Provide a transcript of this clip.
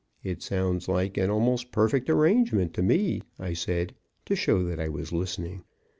It sounds like an almost perfect arrangement to me," I said, to show that I was listening.